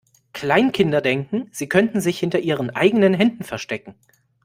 Kleinkinder denken, sie könnten sich hinter ihren eigenen Händen verstecken.